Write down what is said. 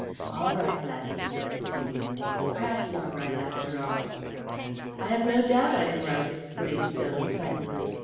"All right, laddie," he added soothingly; "Perhaps you are right, after all." "I have no doubt I am right," exclaimed Phil excitedly.